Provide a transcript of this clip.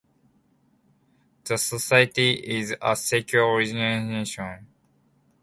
The Society is a secular organisation.